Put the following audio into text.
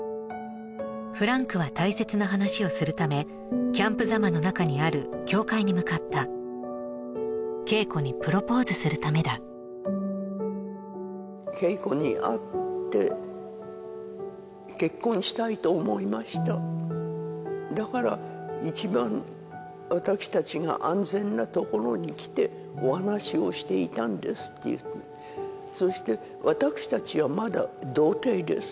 フランクは大切な話をするためキャンプ座間の中にある教会に向かった桂子にプロポーズするためだ桂子に会って結婚したいと思いましただから一番私たちが安全なところに来てお話をしていたんですって言ったそして私たちはまだ童貞です